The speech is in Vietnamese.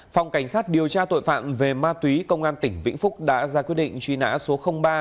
phòng cảnh sát điều tra tội phạm về ma túy công an tỉnh vĩnh phúc đã ra quyết định truy nã số ba